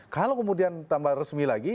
kalau kemudian tambah resmi lagi